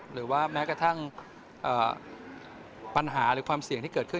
หรือว่าแม้กระทั่งปัญหาหรือความเสี่ยงที่เกิดขึ้น